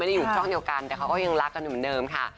ไม่ได้อยู่จ้องเดียวกันเขาก็ก็ยังรักกันเหมือนเดิมค่ะ